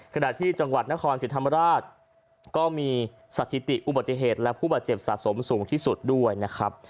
ขณะที่จังหวัดนครศรีธรรมราชก็มีสถิติอุบัติเหตุและผู้บาดเจ็บสะสมสูงที่สุดด้วยนะครับ